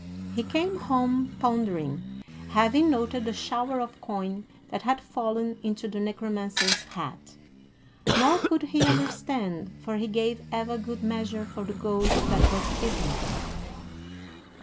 He came home pondering, having noted the shower of coin that had fallen into the Necromancer's hat; nor could he understand, for he gave ever good measure for the gold that was given him.